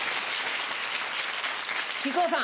木久扇さん。